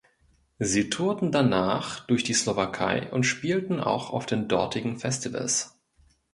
Sie tourten danach durch die Slowakei und spielten auch auf den dortigen Festivals.